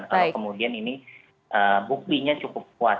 kalau kemudian ini buktinya cukup kuat